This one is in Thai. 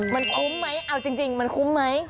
มันคุ้มไหมเอาจริงมันคุ้มไหม